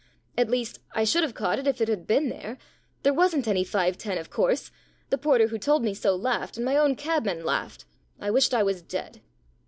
At least, I should have caught it if it had been there. There wasn't any 5.10, of course. The porter who told me so laughed, and my own cabman laughed. I wished I was dead."